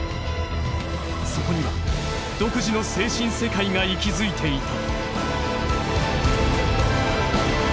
そこには独自の精神世界が息づいていた。